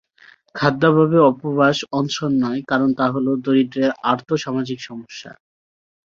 খাদ্যাভাবে উপবাস অনশন নয়, কারণ তা হলো দরিদ্রের আর্থ-সামাজিক সমস্যা।